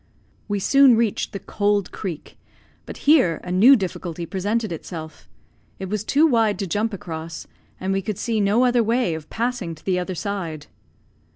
We soon reached the cold creek; but here a new difficulty presented itself. It was too wide to jump across, and we could see no other way of passing to the other side.